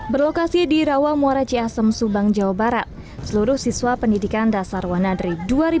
berlokasi di rawa muaraci asem subang jawa barat seluruh siswa pendidikan dasar wanadri dua ribu delapan belas